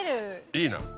いいな。